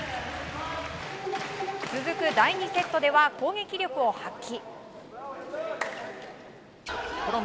続く第２セットでは攻撃力を発揮。